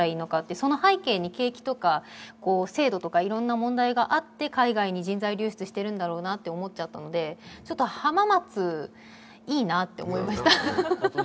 その背景に景気とか制度とかいろんな問題があって海外に人材流出してるんだろうなって思っちゃったので、浜松、いいなと思いました。